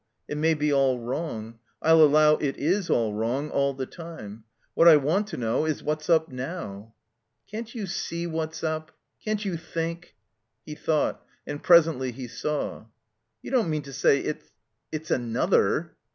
It may be all wrong. I'll allow it is all wrong, all the time. What I want to know is what's up now?" "Can't you see what's up? Can't you think?" He thought. And presently he saw. You don't mean to say it's — it's another?"